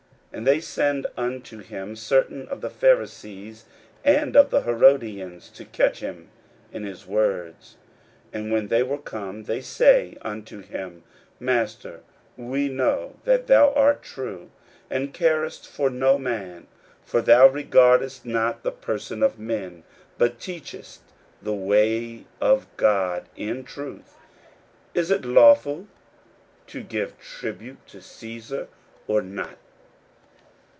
41:012:013 And they send unto him certain of the Pharisees and of the Herodians, to catch him in his words. 41:012:014 And when they were come, they say unto him, Master, we know that thou art true, and carest for no man: for thou regardest not the person of men, but teachest the way of God in truth: Is it lawful to give tribute to Caesar, or not?